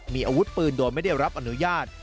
มีอาวุธปืนโดยไม่ได้รับอนุญาต